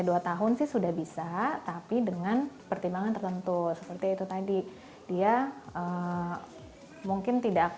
dua tahun sih sudah bisa tapi dengan pertimbangan tertentu seperti itu tadi dia mungkin tidak